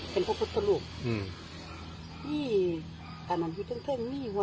เป็นพกแต่ลูกอืมนี่อันคนี่ตั้งเสริมมีหวอ